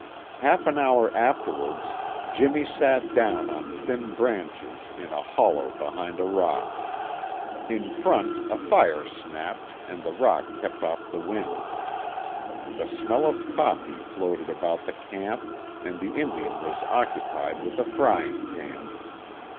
Half an hour afterwards, Jimmy sat down on thin branches in a hollow behind a rock. In front a fire snapped and the rock kept off the wind. The smell of coffee floated about the camp and the Indian was occupied with a frying pan.